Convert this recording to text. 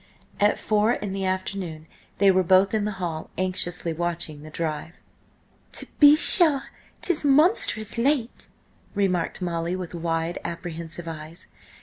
At four in the afternoon they were both in the hall, anxiously watching the drive. "To be sure, 'tis monstrous late!" remarked Molly, with wide, apprehensive eyes.